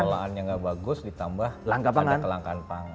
pengelolaannya nggak bagus ditambah lengkap ada kelangkaan pangan